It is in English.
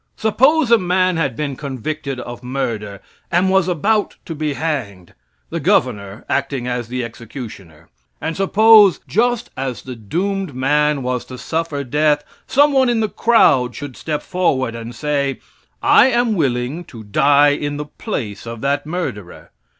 Suppose a man had been convicted of murder, and was about to be hanged the Governor acting as the executioner. And suppose just as the doomed man was to suffer death, some one in the crowd should step forward and say, "I am willing to die in the place of that murderer.